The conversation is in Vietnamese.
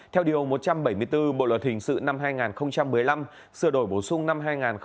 theo điều một trăm bảy mươi bốn bộ luật hình sự năm hai nghìn một mươi năm sửa đổi bổ sung năm hai nghìn một mươi bảy